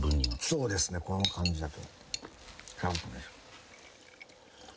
そうですねこの感じだと。